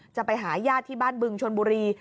จะไปหาญาติที่บ้านบึงชนบุรี